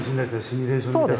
シミュレーション見たら。